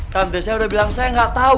tante saya udah bilang saya nggak tahu